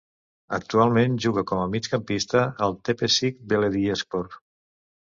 Actualment juga com a migcampista al Tepecik Belediyespor.